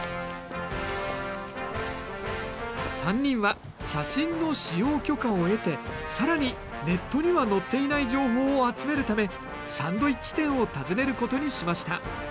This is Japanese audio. ３人は写真の使用許可を得て更にネットにはのっていない情報を集めるためサンドイッチ店を訪ねることにしました。